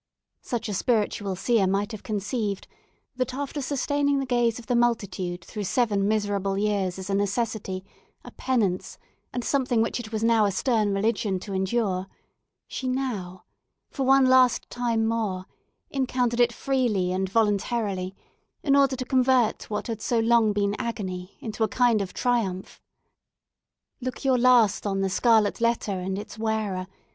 Such a spiritual seer might have conceived, that, after sustaining the gaze of the multitude through several miserable years as a necessity, a penance, and something which it was a stern religion to endure, she now, for one last time more, encountered it freely and voluntarily, in order to convert what had so long been agony into a kind of triumph. "Look your last on the scarlet letter and its wearer!"